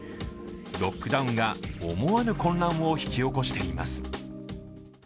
ロックダウンが思わぬ混乱を引き起こしています。